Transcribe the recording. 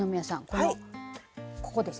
このここですね